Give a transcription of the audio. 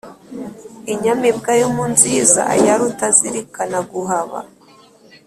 Inyamibwa yo mu nziza ya Rutazirikanaguhaba